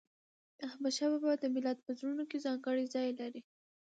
احمدشاه بابا د ملت په زړونو کې ځانګړی ځای لري.